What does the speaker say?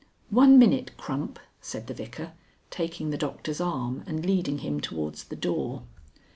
"One minute, Crump," said the Vicar, taking the Doctor's arm and leading him towards the door.